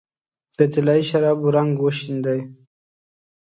د طلايي شرابو رنګ وشیندې